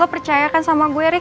lo percaya kan sama gue rik